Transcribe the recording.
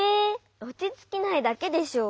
おちつきないだけでしょ。